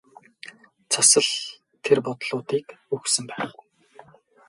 Цас л тэр бодлуудыг өгсөн байх.